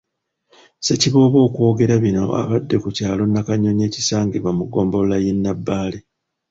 Ssekiboobo okwogera bino abadde ku kyalo Nakanyonyi ekisangibwa mu ggombolola y'e Nabbaale.